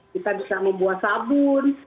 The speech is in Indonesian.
kita bisa membuat sabun